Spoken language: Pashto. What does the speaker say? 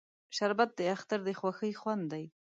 شربت د اختر د خوښۍ خوند دی